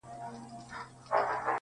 شالمار به په زلمیو هوسېږي؛